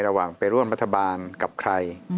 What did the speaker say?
ระหว่างไปร่วมกับประธาบาลกับใคร